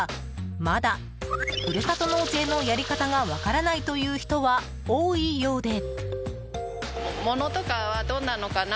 まだ、ふるさと納税のやりかたが分からないという人は多いようで。